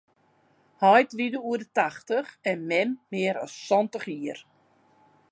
Heit wie doe oer de tachtich en mem mear as santich jier.